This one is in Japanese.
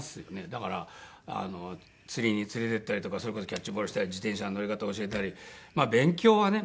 だから釣りに連れていったりとかそれこそキャッチボールしたり自転車の乗り方教えたりまあ勉強はね。